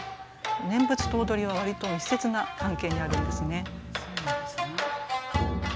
念仏と踊りは割と密接な関係にあるんですね。